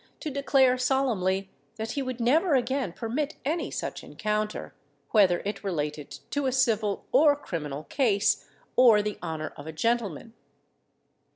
to declare solemnly that he would never again permit any such encounter, whether it related to a civil or criminal case, or the honour of a gentleman.